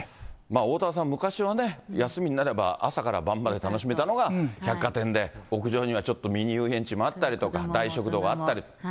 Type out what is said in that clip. おおたわさん、昔はね、休みになれば朝から晩まで楽しめたのが百貨店で、屋上にはちょっとミニ遊園地もあったりとか、大食堂があったりと。